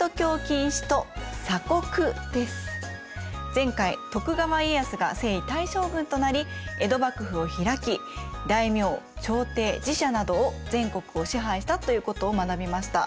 前回徳川家康が征夷大将軍となり江戸幕府を開き大名朝廷寺社などを全国を支配したということを学びました。